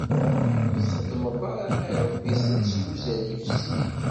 Ur txeddmeḍ ara iṛebbiten s wuzzal yefsin.